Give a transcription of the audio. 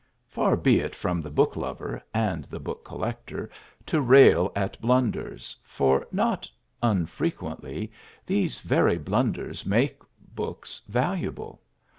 Far be it from the book lover and the book collector to rail at blunders, for not unfrequently these very blunders make books valuable.